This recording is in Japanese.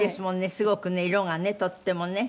すごくね色がねとってもね。